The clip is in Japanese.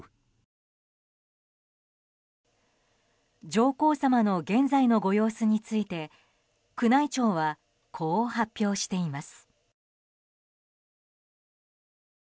上皇さまの現在のご様子について宮内庁はこう発表しています。